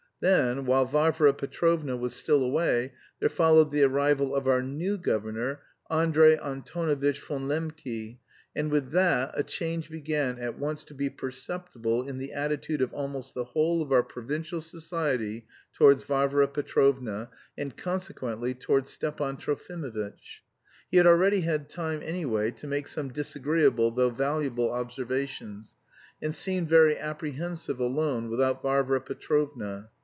Then, while Varvara Petrovna was still away, there followed the arrival of our new governor, Andrey Antonovitch von Lembke, and with that a change began at once to be perceptible in the attitude of almost the whole of our provincial society towards Varvara Petrovna, and consequently towards Stepan Trofimovitch. He had already had time anyway to make some disagreeable though valuable observations, and seemed very apprehensive alone without Varvara Petrovna.